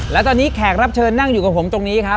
และตอนนี้แขกรับเชิญนั่งอยู่กับผมตรงนี้ครับ